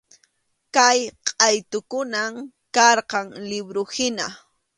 Kay qʼaytukunam karqan liwruhina.